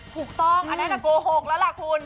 ถูกต้องอันนั้นก็โกหกแล้วล่ะคุณ